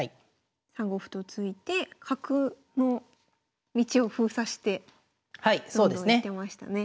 ３五歩と突いて角の道を封鎖してどんどんいってましたね。